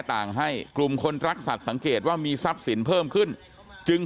ต่างให้กลุ่มคนรักสัตว์สังเกตว่ามีทรัพย์สินเพิ่มขึ้นจึง